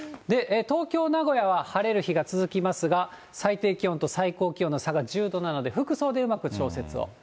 東京、名古屋は晴れる日が続きますが、最低気温と最高気温の差が１０度なので、服装でうまく調節を。